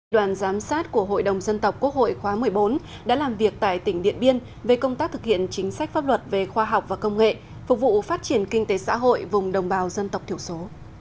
đoàn giám sát của hội đồng dân tộc quốc hội khóa một mươi bốn đã làm việc tại tỉnh điện biên về công tác thực hiện chính sách pháp luật về khoa học và công nghệ phục vụ phát triển kinh tế xã hội vùng đồng bào dân tộc thiểu số